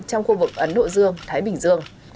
trong khu vực ấn độ dương thái bình dương